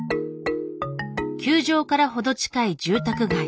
球場から程近い住宅街。